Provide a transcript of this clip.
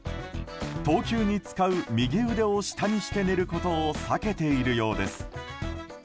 投球に使う右腕を下にして寝ることを避けているようです。